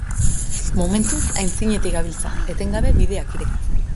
Momentuz aitzinetik gabiltza, etengabe bideak irekitzen.